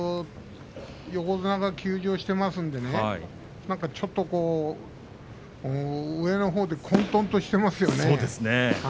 横綱が休場してますのでなんかちょっと上のほうで混とんとしていますね。